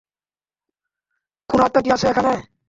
কোনো আত্মা কি আছে এখানে?